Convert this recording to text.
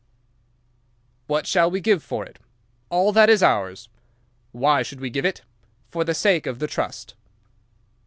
"'What shall we give for it?' "'All that is ours.' "'Why should we give it?' "'For the sake of the trust.